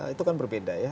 itu kan berbeda ya